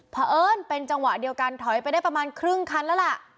เพราะเอิญเป็นจังหวะเดียวกันถอยไปได้ประมาณครึ่งคันแล้วล่ะ